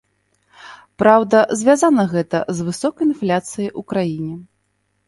Праўда, звязана гэта з высокай інфляцыяй у краіне.